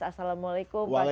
assalamualaikum pak kiai